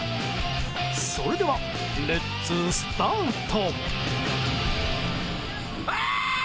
それでは、レッツスタート！